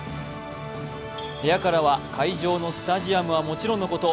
部屋からは会場のスタジアムはもちろんのこと